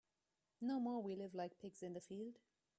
No more we live like pigs in the field.